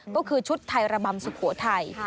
ก็คือชุดไทยระบำสุโขทัย